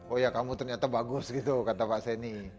oh ya kamu ternyata bagus gitu kata pak seni